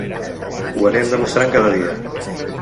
Ho anem demostrant cada dia.